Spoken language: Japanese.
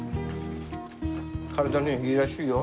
体にいいらしいよ。